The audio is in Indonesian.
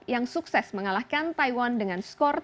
yang sukses mengalahkan taiwan dengan skor tiga